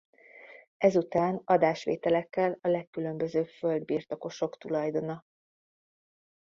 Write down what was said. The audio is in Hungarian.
Ezután adásvételekkel a legkülönbözőbb földbirtokosok tulajdona.